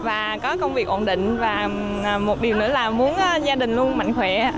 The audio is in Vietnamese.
và có công việc ổn định và một điều nữa là muốn gia đình luôn mạnh khỏe